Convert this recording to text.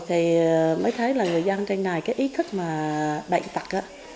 thì mới thấy là người dân trên này cái ý thức mà bệnh tật á